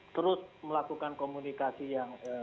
terus melakukan komunikasi yang